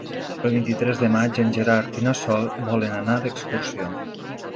El vint-i-tres de maig en Gerard i na Sol volen anar d'excursió.